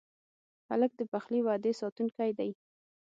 هلک د خپلې وعدې ساتونکی دی.